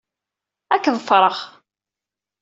Ad k-ḍefreɣ.